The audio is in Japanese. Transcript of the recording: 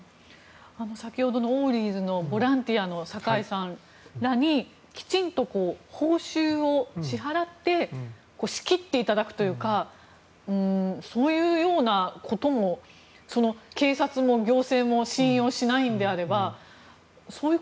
先ほどのオウリーズのボランティアの酒井さんらにきちんと報酬を支払って仕切っていただくというかそういうようなことも警察も行政も信用しないんであればそういう。